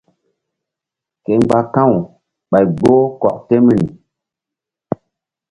Ke mgba ka̧w ɓay gboh kɔk temri.